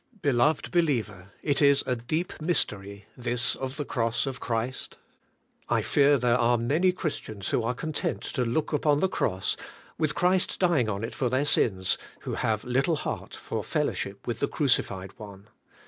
Beloved believer! it is a deep mystery, this of the Cross of Christ. I fear there are many Christians who are content to look upon the Cross, with Christ on it dying for their sins, who have little heart for fellowship with the Crucified One.